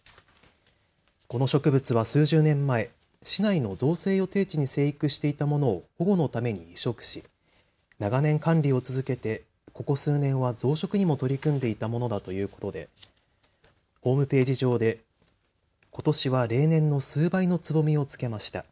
この植物は数十年前、市内の造成予定地に生育していたものを保護のために移植し長年、管理を続けてここ数年は増殖にも取り組んでいたものだということでホームページ上でことしは例年の数倍のつぼみを付けました。